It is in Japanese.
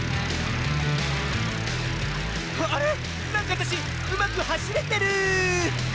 あれ⁉なんかわたしうまくはしれてる！